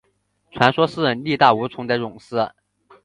传说是力大无穷的勇士。